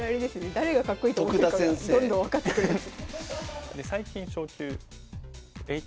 誰がかっこいいと思ってるかがどんどん分かってくるやつ。